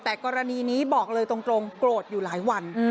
แต่กรณีนี้บอกเลยตรงโกรธอยู่หลายวัน